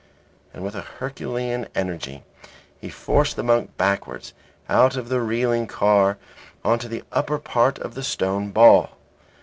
And with a herculean energy he forced the monk backwards out of the reeling car on to the upper part of the stone ball.